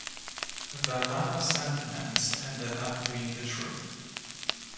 The latter sentiments ended up being the truth.